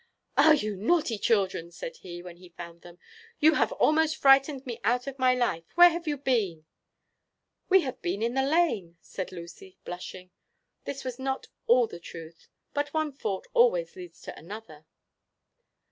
"Ah, you naughty children!" said he, when he found them, "you have almost frightened me out of my life! Where have you been?" "We have been in the lane," said Lucy, blushing. This was not all the truth; but one fault always leads to another.